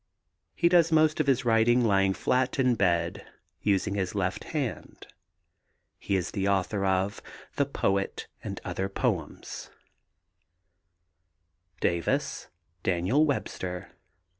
He does most of his writing lying flat in bed and using his left hand. He is the author of The Poet and Other Poems. DAVIS, DANIEL WEBSTER.